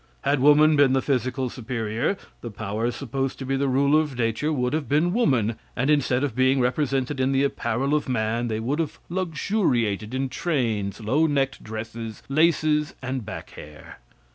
Had woman been the physical superior, the powers supposed to be the ruler of Nature would have been woman, and instead of being represented in the apparel of man, they would have luxuriated in trains, low necked dresses, laces and back hair.